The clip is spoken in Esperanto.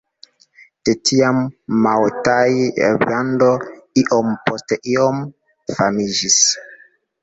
De tiam Maotai-brando iom post iom famiĝis.